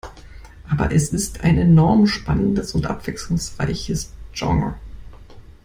Aber es ist ein enorm spannendes und abwechslungsreiches Genre.